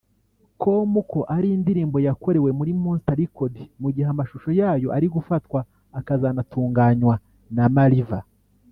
com ko ari indirimbo yakorewe muri Monstar Record mu gihe amashusho yayo ari gufatwa akazanatunganywa na Ma~Riva